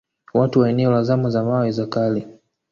Watu wa eneo la zama za mawe za kale